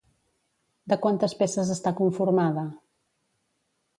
De quantes peces està conformada?